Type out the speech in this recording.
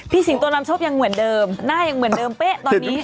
สิงโตนำโชคยังเหมือนเดิมหน้ายังเหมือนเดิมเป๊ะตอนนี้